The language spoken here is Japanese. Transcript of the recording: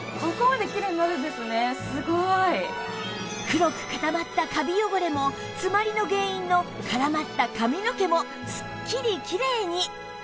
黒く固まったカビ汚れも詰まりの原因の絡まった髪の毛もすっきりきれいに！